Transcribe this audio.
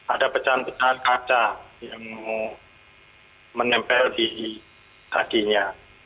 ada pecahan pecahan kaca yang menempel di kakinya